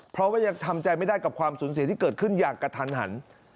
เพราะว่ายังทำใจไม่ได้กับความสูญเสียที่เกิดขึ้นอย่างกระทันหัน